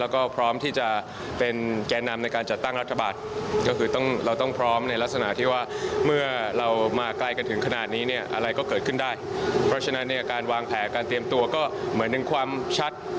ก็เกิดขึ้นได้เพราะฉะนั้นเนี่ยการวางแผลการเตรียมตัวก็เหมือนหนึ่งความชัด